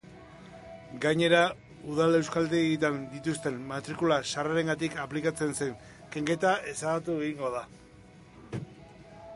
Gainera, udal euskaltegietan dituzten matrikula-sarrerengatik aplikatzen zen kenketa ezabatu egingo da.